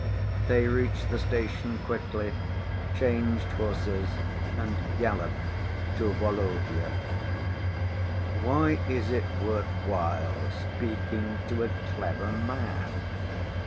They reached the station quickly, changed horses, and galloped to Volovya. "Why is it worth while speaking to a clever man?